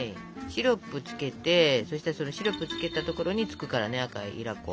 シロップつけてそしたらそのシロップつけたところにつくからね赤いいら粉。